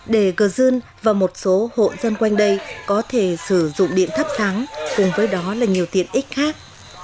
để cơ dương và một số hộ dân quanh đây có thể sử dụng điện thấp thắng cùng với đó là nhiều tiện ích khác